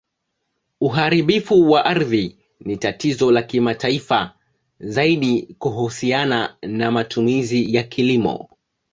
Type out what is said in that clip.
Uharibifu wa ardhi ni tatizo la kimataifa, zaidi kuhusiana na matumizi ya kilimo.